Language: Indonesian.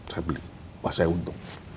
saya beli pak saya untung